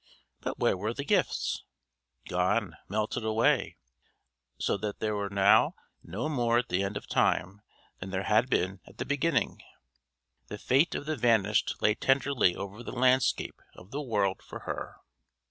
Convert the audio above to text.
But where were the gifts? Gone, melted away; so that there were now no more at the end of time than there had been at the beginning. The fate of the vanished lay tenderly over the landscape of the world for her.